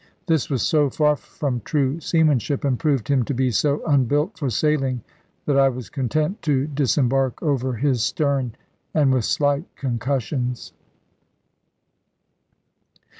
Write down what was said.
This was so far from true seamanship, and proved him to be so unbuilt for sailing, that I was content to disembark over his stern, and with slight concussions.